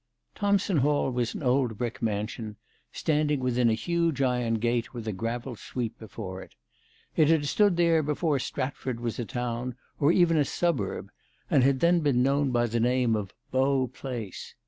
Thompson Hall was an old brick mansion, standing within a huge iron gate, with a gravel sweep before it. It had stood there before Stratford was a town, or even a suburb, and had then been known by the name of Bow Place.